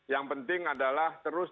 yang penting adalah terus